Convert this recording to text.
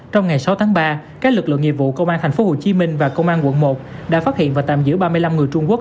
trong ngày sáu tháng ba các lực lượng nghiệp vụ cơ quan an tp hcm và cơ quan an quận một đã phát hiện và tạm giữ ba mươi năm người trung quốc